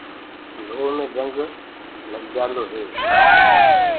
لوه مي جنگ چڙهجآدو هي۔